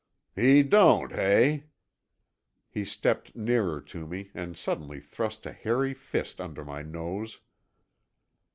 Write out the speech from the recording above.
"He don't, hey?" He stepped nearer to me and suddenly thrust a hairy fist under my nose.